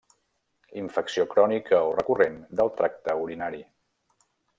Infecció crònica o recurrent del tracte urinari.